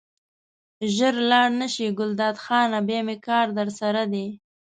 ژر لاړ نه شې ګلداد خانه بیا مې کار درسره دی.